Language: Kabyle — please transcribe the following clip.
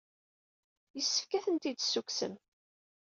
Yessefk ad ten-id-tessukksem.